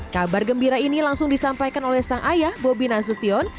kabar gembira ini langsung disampaikan oleh sang ayah bobi nasution